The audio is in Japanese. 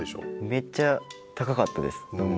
めっちゃ高かったです。